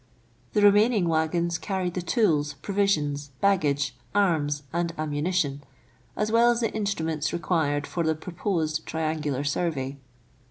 The remaining waggons carried the tools, provisions, baggage, arms, and ammunition, as well as the instruments required for the proposed triangular survey.